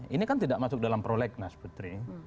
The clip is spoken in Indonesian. ini kan tidak masuk dalam prolek nas putri